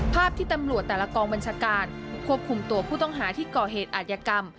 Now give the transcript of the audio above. ภาพที่ตำรวจแต่ละกองบัญชาการควบคุมตัวผู้ต้องหาที่ก่อเหตุอาจยกรรม